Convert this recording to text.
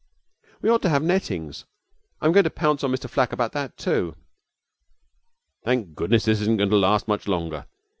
'We ought to have nettings. I am going to pounce on Mr Flack about that too.' 'Thank goodness this isn't going to last much longer.